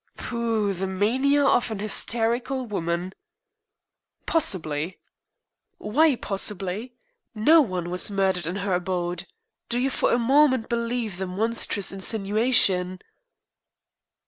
"Pooh! The mania of an hysterical woman!" "Possibly!" "Why 'possibly'? No one was murdered in her abode. Do you for a moment believe the monstrous insinuation?"